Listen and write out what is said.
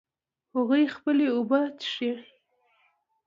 هغوی خپلې اوبه څښي